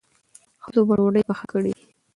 ښځو به ډوډۍ پخ کړې وي.